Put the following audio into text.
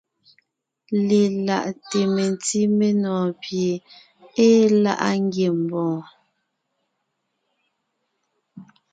Lelaʼte mentí menɔ̀ɔn pie ée láʼa ngiembɔɔn.